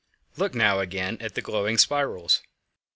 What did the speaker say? Look now again at the glowing spirals.